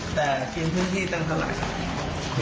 แต่จริงพื้นที่ตั้งสลัด